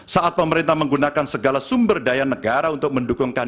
saat pemerintah menggunakan segala sumber daya negara untuk mendukungkan